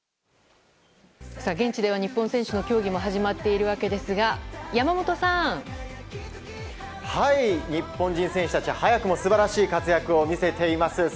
現地では日本選手の競技も始まっているわけですが山本さん！日本人選手たち早くも素晴らしい活躍を見せています。